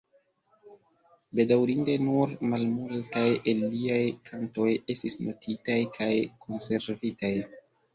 Bedaŭrinde nur malmultaj el liaj kantoj estis notitaj kaj konservitaj.